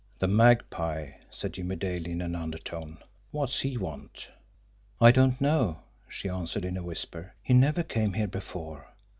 "The Magpie!" said Jimmie Dale, in an undertone. "What's he want?" "I don't know," she answered, in a whisper. "He never came here before.